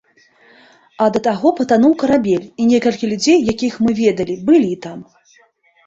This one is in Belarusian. А да таго патануў карабель, і некалькі людзей, якіх мы ведалі, былі там.